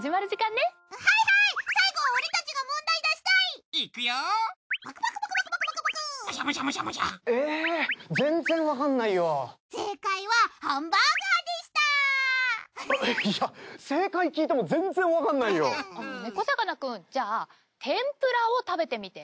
ねこざかなくんじゃあ天ぷらを食べてみて。